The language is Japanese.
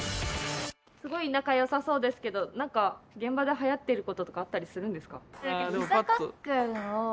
すごい仲よさそうですけどなんか現場ではやってることとかあったりするんですか？